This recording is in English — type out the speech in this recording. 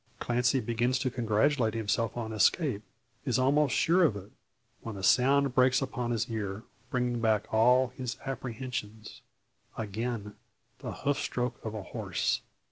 Clancy begins to congratulate himself on escape, is almost sure of it, when a sound breaks upon his ear, bringing back all his apprehensions. Again the hoof stroke of a horse!